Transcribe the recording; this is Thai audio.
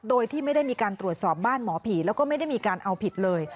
โดยที่ไม่ได้มีการตรวจสอบบ้านหมอผีแล้วก็ไม่ได้มีการเอาผิดเลย